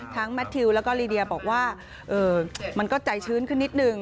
แมททิวแล้วก็ลีเดียบอกว่ามันก็ใจชื้นขึ้นนิดนึง